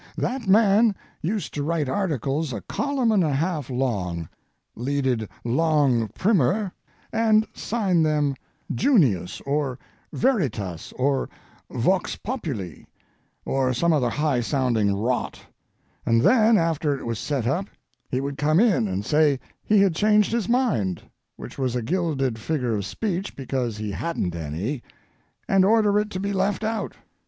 That man used to write articles a column and a half long, leaded long primer, and sign them "Junius," or "Veritas," or "Vox Populi," or some other high sounding rot; and then, after it was set up, he would come in and say he had changed his mind which was a gilded figure of speech, because he hadn't any—and order it to be left out.